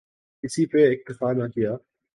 اسی پہ اکتفا نہ کیا۔